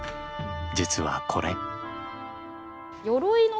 実はこれ。